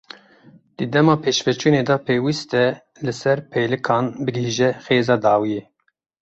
Di dema pêşveçûnê de pêwîst e li ser pêlikan bigihîje xêza dawiyê.